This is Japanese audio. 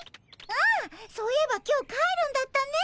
ああそういえば今日帰るんだったね。